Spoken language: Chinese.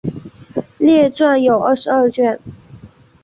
列传有二十二卷。